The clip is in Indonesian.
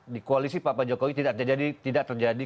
di koalisi papa jokowi tidak terjadi